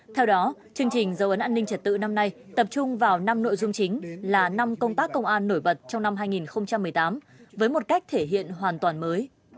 theo đó chương trình dấu ấn an ninh trật tự năm nay tập trung vào năm nội dung chính là năm công tác công an nổi bật trong năm hai nghìn một mươi tám với một cách thể hiện hoàn toàn mới